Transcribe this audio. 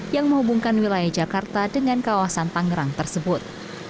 yang menghubungkan wilayah jakarta dengan kawasan tangerang tersebut